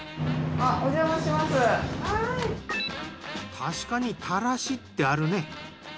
たしかにたらしってあるね。